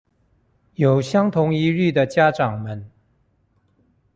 有相同疑慮的家長們